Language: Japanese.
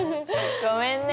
ごめんね。